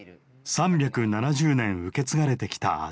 ３７０年受け継がれてきた味。